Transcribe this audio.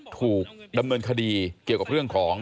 ถูกดำเนินคดีเกี่ยวกับเรื่องของ